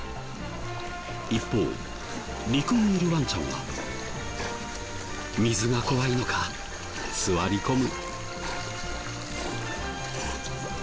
一方陸にいるワンちゃんは水が怖いのか座り込む。